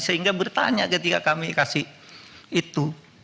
sehingga bertanya ketika kami kasih itu